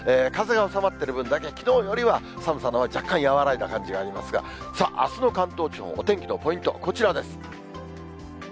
風が収まってる分だけ、きのうよりは寒さのほう、若干和らいだ感じがありますが、さあ、あすの関東地方、お天気のポイント、こちらです。